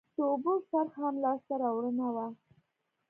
د اوبو څرخ هم لاسته راوړنه وه